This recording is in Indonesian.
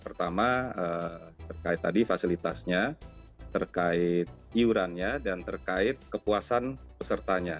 pertama terkait tadi fasilitasnya terkait iurannya dan terkait kepuasan pesertanya